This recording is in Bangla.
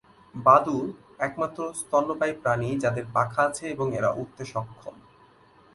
বাদুড় একমাত্র স্তন্যপায়ী প্রাণী যাদের পাখা আছে এবং এরা উড়তে সক্ষম।